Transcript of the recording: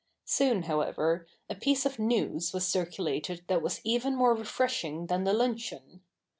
Soon, however, a piece of news was circulated that was even more refreshing than the luncheon.